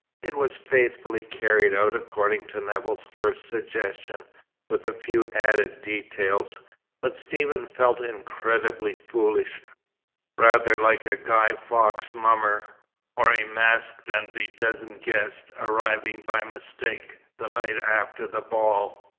It was faithfully carried out according to Nevill's first suggestion, with a few added details, but Stephen felt incredibly foolish, rather like a Guy Fawkes mummer, or a masked and bedizened guest arriving by mistake the night after the ball.